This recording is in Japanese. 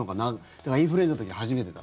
だからインフルエンザの時初めてだ。